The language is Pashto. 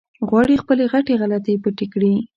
غواړي خپلې غټې غلطۍ پټې کړي.